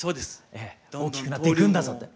ええ大きくなっていくんだぞって。